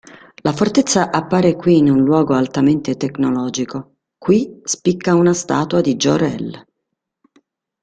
La fortezza appare qui un luogo altamente tecnologico, qui spicca una statua di Jor-el.